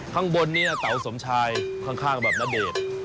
ข้างบนนี้เต๋าสมชายข้างแบบณเดชน์